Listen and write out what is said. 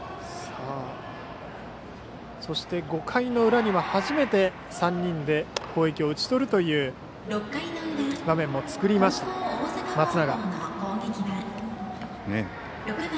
そして５回の裏には初めて３人で攻撃を打ち取るという場面も作りました松永。